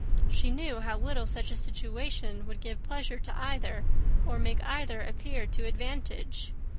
She knew how little such a situation would give pleasure to either, or make either appear to advantage.